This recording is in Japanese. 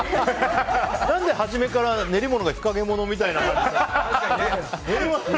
何で初めから、練り物が日陰者みたいな感じで。